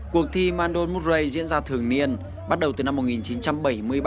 cuộc thi mandol moutray diễn ra thường niên bắt đầu từ năm một nghìn chín trăm bảy mươi ba